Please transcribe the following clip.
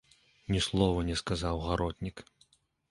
Ні слова не сказаў гаротнік.